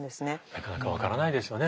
なかなか分からないですよね